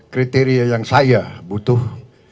kriteria yang saya butuh